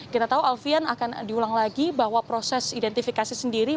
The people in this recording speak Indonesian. kita tahu alfian akan diulang lagi bahwa proses identifikasi sendiri